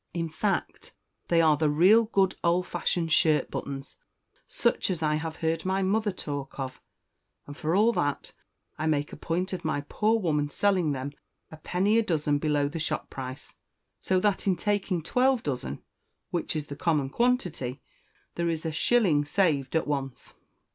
In fact, they are the real good old fashioned shirt buttons, such as I have heard my mother talk of; and for all that, I make a point of my poor woman selling them a penny a dozen below the shop price; so that in taking twelve dozen, which is the common quantity, there is a shilling saved at once."